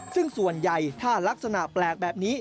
ซึ่งส่วนใหญ่ถ้ารักษณะแปลกแบบนี้